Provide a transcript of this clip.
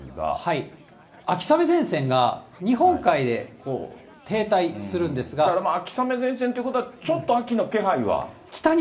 秋雨前線が日本海で停滞するだから秋雨前線ということは、ちょっと秋の気配は。